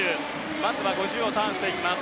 まずは５０ｍをターンしていきます。